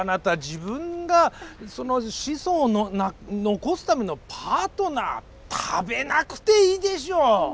自分がその子孫を残すためのパートナー食べなくていいでしょう。